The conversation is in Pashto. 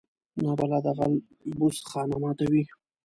نابلده غل بوس خانه ماتوي